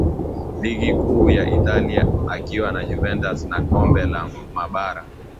Ligi kuu ya Italia akiwa na Juventus na kombe la mabara